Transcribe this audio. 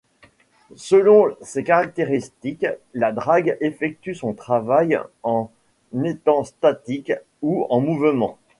Selon ses caractéristiques, la drague effectue son travail en étant statique ou en mouvement.